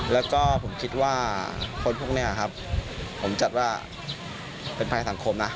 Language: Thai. แล้วก็ผมคิดว่าคนพวกนี้ครับผมจัดว่าเป็นภัยสังคมนะ